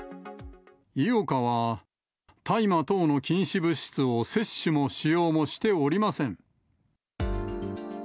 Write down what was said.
井岡は、大麻等の禁止物質を摂取も使用もしておりません。